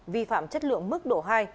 vi phạm chất lượng mức độ hai